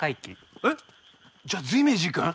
えっじゃあ随明寺行くん？